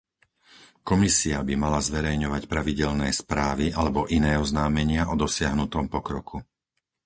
Komisia by mala zverejňovať pravidelné správy alebo iné oznámenia o dosiahnutom pokroku.